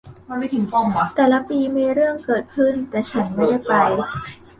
แต่ละปีมีเรื่องเกิดขึ้น แต่ฉันไม่ได้ไป